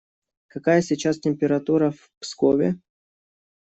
Какая сейчас температура в Пскове?